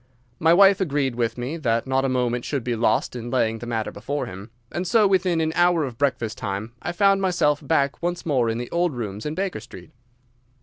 My wife agreed with me that not a moment should be lost in laying the matter before him, and so within an hour of breakfast time I found myself back once more in the old rooms in Baker Street.